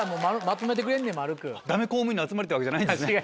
ダメ公務員の集まりってわけじゃないんですね。